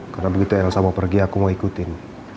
karena begitu elsa mau pergi aku mau ikutin